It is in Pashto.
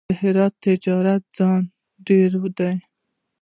د هرات تاریخي ځایونه ډیر دي